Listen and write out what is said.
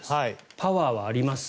パワーはあります。